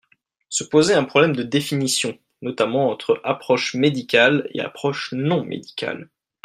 Se posait un problème de définition, notamment entre approche médicale et approche non médicale.